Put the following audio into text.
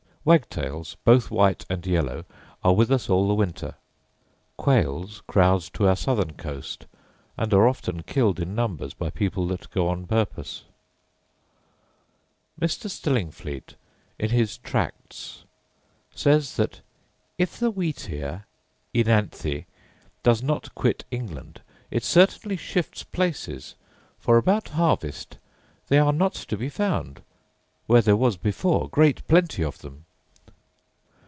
Wagtails, both white and yellow, are with us all the winter. Quails crowd to our southern coast, and are often killed in numbers by people that go on purpose. Mr. Stillingfleet, in his Tracts, says that 'if the wheatear (oenanthe) does not quit England, it certainly shifts places; for about harvest they are not to be found, where there was before great plenty of them.